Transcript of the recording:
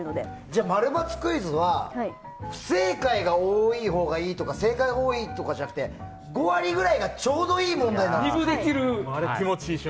〇×クイズは不正解が多いほうがいいとか正解が多いとかじゃなくて５割ぐらいがちょうどいい問題なんですね。